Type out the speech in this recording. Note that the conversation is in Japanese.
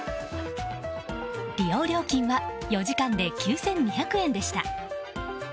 利用料金は４時間で９２００円でした。